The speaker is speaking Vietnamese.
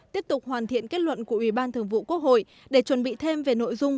tiếp tục hoàn thiện kết luận của ủy ban thường vụ quốc hội để chuẩn bị thêm về nội dung